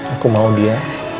aku mau dia